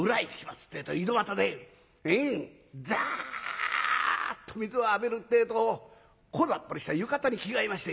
ってえと井戸端でザッと水を浴びるってえとこざっぱりした浴衣に着替えまして。